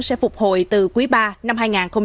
sẽ phục hồi từ cuối ba năm hai nghìn hai mươi bốn